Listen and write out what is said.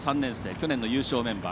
去年の優勝メンバー。